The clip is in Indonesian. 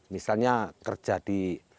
misalnya kerja di